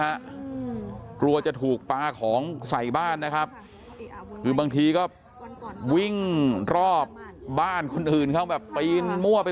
กลัวจะถูกปลาของใส่บ้านนะครับคือบางทีก็วิ่งรอบบ้านคนอื่นเขาแบบปีนมั่วไป